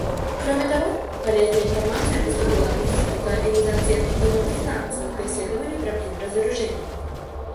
Кроме того, полезная информация поступила от Института Организации Объединенных Наций по исследованию проблем разоружения.